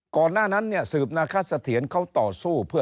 ก่อนหน้านั้นสืบนาคาเสถียนเขาต่อสู้